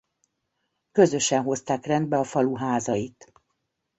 Közösen hozták rendbe a falu házait.